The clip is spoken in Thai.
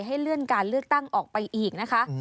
ให้เลื่อนการเลือกตั้งออกไปอีก